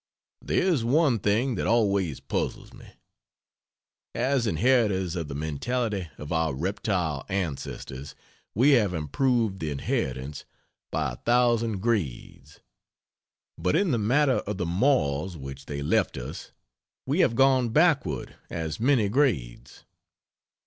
There is one thing that always puzzles me: as inheritors of the mentality of our reptile ancestors we have improved the inheritance by a thousand grades; but in the matter of the morals which they left us we have gone backward as many grades.